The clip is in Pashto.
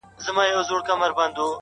خدایه مور مه کړې پر داسي جانان بوره -